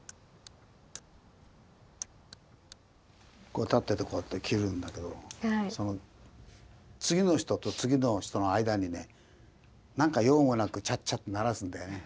こう立っててこうやって切るんだけど次の人と次の人の間にねなんか用もなくチャッチャッと鳴らすんだよね。